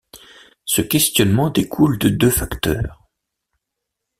Ce questionnement découle de deux facteurs.